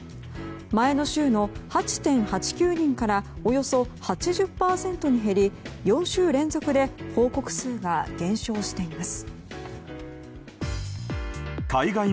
前の週の８．８９人からおよそ８０％に減り４週連続で報告数が減少しています。